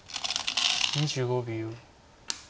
２５秒。